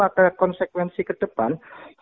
ada konsekuensi ke depan